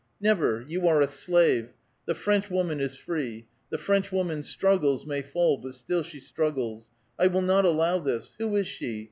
" Never! You are a slave! The French woman is free. The French woman struggles, may fall, but still she struggles. I will not allow this. Who is she?